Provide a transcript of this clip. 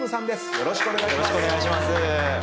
よろしくお願いします。